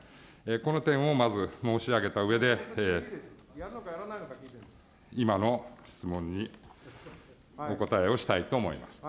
この点をまず申し上げたうえで、今の質問にお答えをしたいと思います。